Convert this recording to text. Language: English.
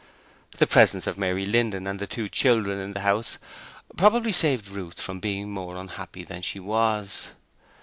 The presence of Mary Linden and the two children in the house probably saved Ruth from being more unhappy than she was.